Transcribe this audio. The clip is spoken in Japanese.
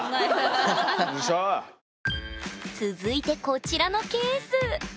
続いてこちらのケース！